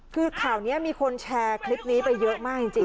คือข่าวนี้มีคนแชร์คลิปนี้ไปเยอะมากจริง